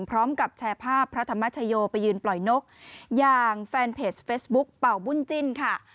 พร้อมกับแชร์ภาพพระธรรมชโยไปยืนปล่อยนกอย่างแฟนเพจเฟซบุ๊กเป่าบุญจิ้นค่ะ